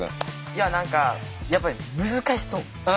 いや何かやっぱり難しそう。